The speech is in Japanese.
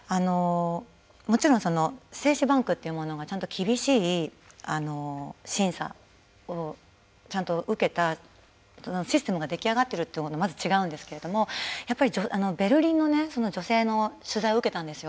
もちろん精子バンクというものが厳しい審査をちゃんと受けたシステムが出来上がってるというのが、まず違うんですけどベルリンの女性の取材を受けたんですよ。